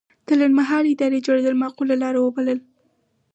د لنډمهالې ادارې جوړېدل معقوله لاره وبلله.